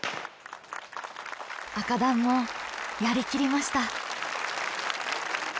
紅団もやりきりました。